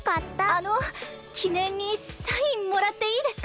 あのきねんにサインもらっていいですか？